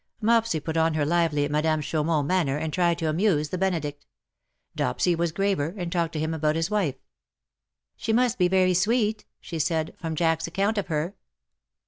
"''' Mopsy put on her lively Madame Chaumont manner,, and tried to amuse the Benedict. Dopsy was graver^ and talked to him about his wife. " She must be very sweet/'' she said_, *' from Jack's account of her.'''